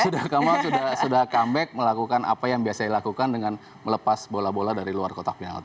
sudah come out sudah come back melakukan apa yang biasanya dilakukan dengan melepas bola bola dari luar kotak penalti